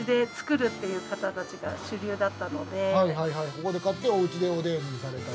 ここで買っておうちでおでんされたり。